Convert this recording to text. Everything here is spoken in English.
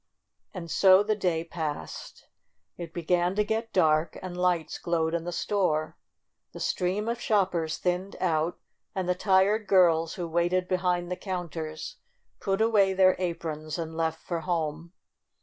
And so the day passed. It began to get dark and lights glowed in the store. The stream of shoppers thinned out, and the tired girls who waited behind the counters put away their aprons and left for home.